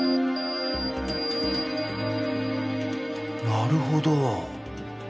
なるほど。